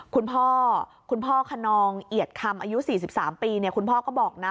คุณพ่อคุณพ่อคนนองเอียดคำอายุ๔๓ปีคุณพ่อก็บอกนะ